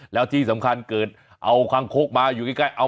แล้วที่สำคัญเกิดเอาคางคกมาอยู่ใกล้